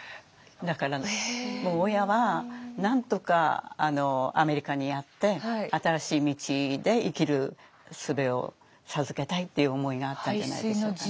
だからもう親はなんとかアメリカにやって新しい道で生きるすべを授けたいっていう思いがあったんじゃないでしょうかね。